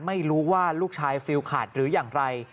ไม่รู้ว่าลูกชายฟิลขาดหรืออย่างไร